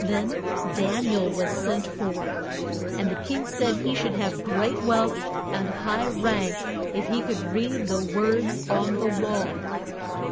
Then Dan i el was sent for, and the king said he should have great wealth and high rank if he could read the words on the wall.